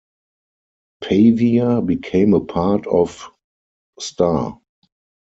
Pavia became a part of Sta.